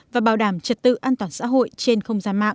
và bảo đảm trật tự an toàn xã hội trên không gian mạng